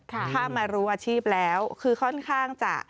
ถ้ามารู้อาชีพแล้วคือค่อนข้างจะ